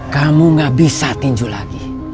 kamu gak bisa tinju lagi